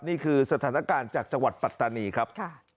นี่คือสถานการณ์จากจังหวัดปัตตานีครับ